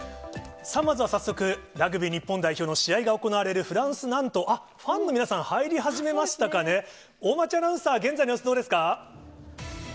まずは早速、ラグビー日本代表の試合が行われるフランス・ナント、ファンの皆さん、入り始めましたかね、大町アナウンサー、現在の様子どうですか。